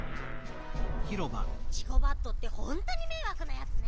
ジゴバットってほんとにめいわくなやつね。